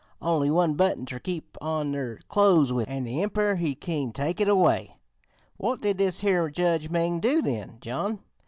Only one button ter keep on their clothes with, an' the Emprer he kin take it away! What did this here Judge Ming do then, John?